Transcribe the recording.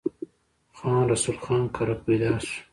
خان رسول خان کره پيدا شو ۔